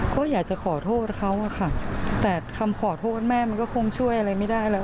ก็อยากจะขอโทษเขาอะค่ะแต่คำขอโทษแม่มันก็คงช่วยอะไรไม่ได้แล้ว